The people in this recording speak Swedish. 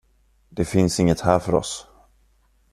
Det finns inget här för oss.